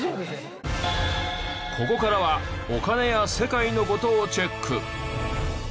ここからはお金や世界の事をチェック。